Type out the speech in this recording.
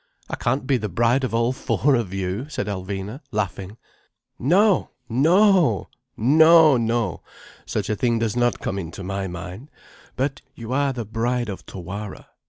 "I can't be the bride of all four of you," said Alvina, laughing. "No—no! No—no! Such a thing does not come into my mind. But you are the Bride of Tawara.